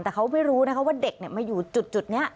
แต่เขาไม่รู้นะคะว่าเด็กมาอยู่จุดนี้